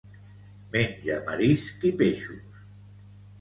Menja marisc i peixos.